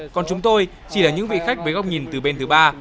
còn chúng tôi chỉ là những vị khách với góc nhìn từ bên thứ ba